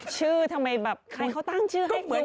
ชื่อทำไมใครเค้าทั้งชื่อให้ฟรุ้งฟริ้ง